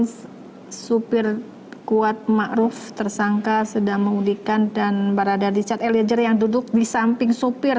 ini adegan supir kuat ma'ruf tersangka sedang mengudikan dan baradari richard elizer yang duduk di samping supir